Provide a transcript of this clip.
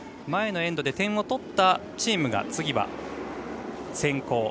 前のエンドで点を取ったチームが次は先攻。